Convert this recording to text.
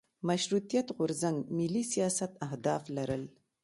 مشروطیت غورځنګ ملي سیاست اهداف لرل.